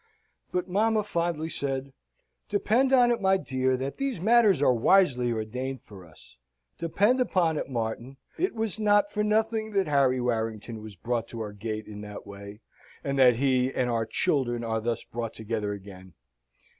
But mamma fondly said, "Depend on it, my dear, that these matters are wisely ordained for us. Depend upon it, Martin, it was not for nothing that Harry Warrington was brought to our gate in that way; and that he and our children are thus brought together again.